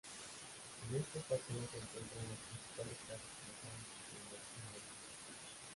En este paseo se encuentran las principales casas comerciales y tiendas minoristas.